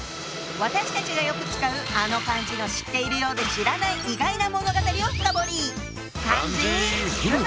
私たちがよく使うあの漢字の知っているようで知らない意外な物語を深堀り！